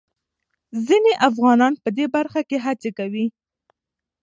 ځينې افغانان په دې برخه کې هڅې کوي.